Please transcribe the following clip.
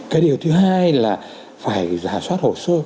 cái điều thứ hai là phải giả soát hồ sơ